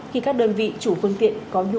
khi các đơn vị chủ phương tiện có nhu cầu